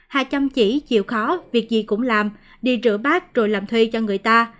hà chăm chỉ chịu khó việc gì cũng làm đi rửa bát rồi làm thuê cho người ta